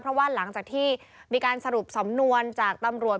เพราะว่าหลังจากที่มีการสรุปสำนวนจากตำรวจ